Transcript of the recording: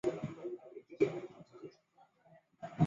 五原郡为战国时赵国及秦始皇所置九原郡之东半部。